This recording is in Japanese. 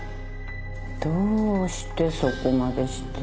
どうしてそこまでして。